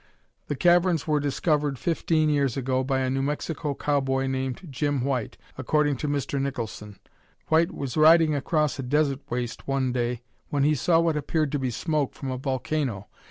The caverns were discovered fifteen years ago by a New Mexican cowboy named Jim White, according to Mr. Nicholson. White was riding across a desert waste one day when he saw what appeared to be smoke from a volcano.